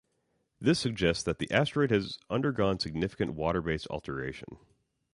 This suggests that the asteroid has undergone significant water-based alteration.